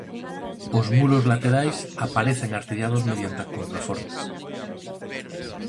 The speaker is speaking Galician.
Os muros laterais aparecen artellados mediante contrafortes.